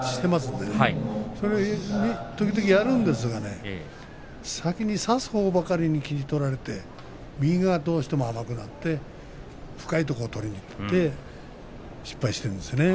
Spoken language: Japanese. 時々やるんですけれどもね先に差すほうばかりに気を取られて右がどうしても甘くなって深いところを取りにいって失敗してるんですよね。